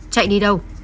chạy đi đâu